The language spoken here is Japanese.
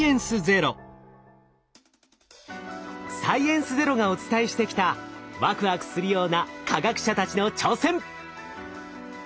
「サイエンスＺＥＲＯ」がお伝えしてきたワクワクするような科学者たちの挑戦。